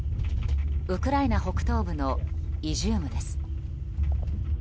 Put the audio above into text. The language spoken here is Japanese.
ウクライナ北東部のイジュームです。